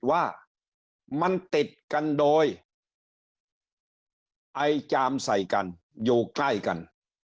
ว่ามันติดกันโดยไอจามใส่กันอยู่ใกล้กัน